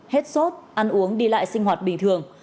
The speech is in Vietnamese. hết sốt ăn uống đi lại sinh hoạt bình thường